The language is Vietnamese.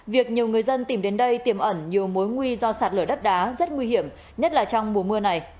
việc nhiều người dân tìm đến đây tiềm ẩn nhiều mối nguy do sạt lở đất đá rất nguy hiểm nhất là trong mùa mưa này